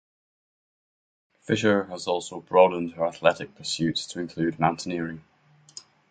Fisher has also broadened her athletic pursuits to include mountaineering.